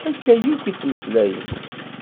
Akka akk i ttmeslayen.